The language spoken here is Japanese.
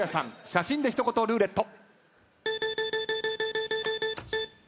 写真で一言ルーレット。